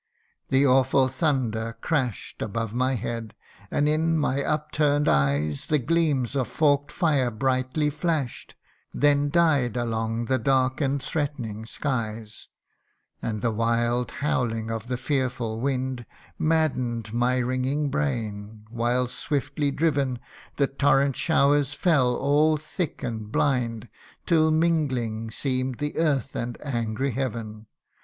The awful thunder crash 'd Above my head ; and in my up turn'd eyes 120 THE UNDYING ONE. The gleams of forked fire brightly flash 'd, Then died along the dark and threatening skies : And the wild howling of the fearful wind Madden'd my ringing brain ; while, swiftly driven, The torrent showers fell all thick and blind, Till mingling seem'd the earth and angry heaven.